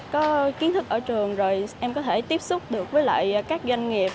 có kiến thức ở trường rồi em có thể tiếp xúc được với lại các doanh nghiệp